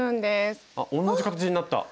あっ同じ形になった。